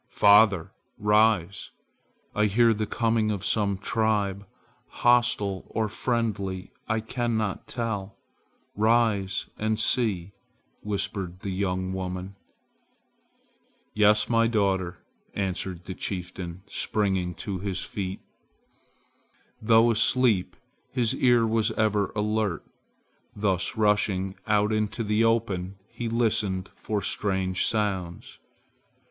"Father! rise! I hear the coming of some tribe. Hostile or friendly I cannot tell. Rise and see!" whispered the young woman. "Yes, my daughter!" answered the chieftain, springing to his feet. Though asleep, his ear was ever alert. Thus rushing out into the open, he listened for strange sounds.